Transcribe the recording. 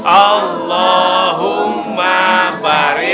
allahumma barik wa barik